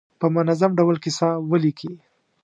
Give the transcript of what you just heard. په منظم ډول کیسه ولیکي.